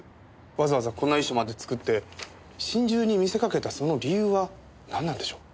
わざわざこんな遺書まで作って心中に見せかけたその理由はなんなんでしょう？